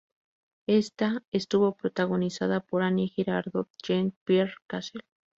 Esta estuvo protagonizada por Annie Girardot y Jean-Pierre Cassel.